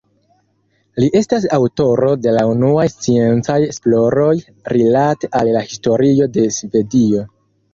Li estas aŭtoro de la unuaj sciencaj esploroj rilate al la historio de Svedio.